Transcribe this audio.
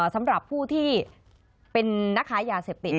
สำหรับผู้ที่เป็นนักค้ายาเสพติด